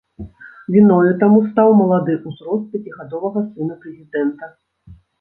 Віною таму стаў малады ўзрост пяцігадовага сына прэзідэнта.